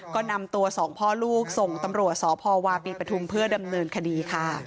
ก็นำตัว๒พ่อลูกส่งตำรวจสพวปิดไปทุ่มเพื่อดำเนินคดี